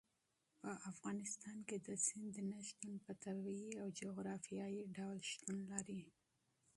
په افغانستان کې د سمندر نه شتون په طبیعي او جغرافیایي ډول شتون لري.